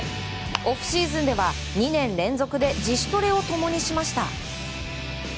オフシーズンでは２年連続で自主トレを共にしました。